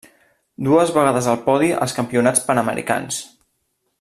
Dues vegades al podi als Campionats Panamericans.